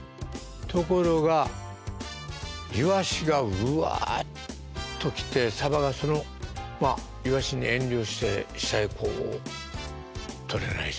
ところがイワシがうわっと来てサバがイワシに遠慮して下へこうとれないそうなんです。